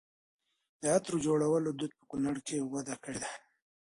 د عطرو جوړولو دود په کونړ کې وده کړې ده.